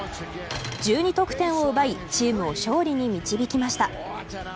１２得点を奪いチームを勝利に導きました。